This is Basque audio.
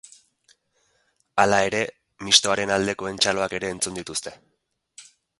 Hala ere, mistoaren aldekoen txaloak ere entzun dituzte.